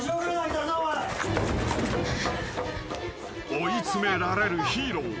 ［追い詰められるヒーロー。